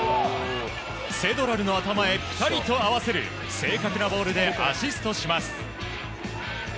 セドラルの頭へぴたりと合わせる正確なボールでアシストします。